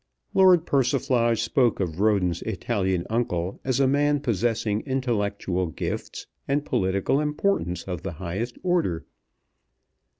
Lord Persiflage spoke of Roden's Italian uncle as a man possessing intellectual gifts and political importance of the highest order.